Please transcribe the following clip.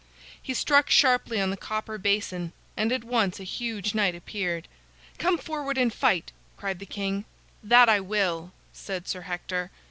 He struck sharply on the copper basin, and at once a huge knight appeared. "Come forward and fight!" cried the knight. "That I will," said Sir Hector.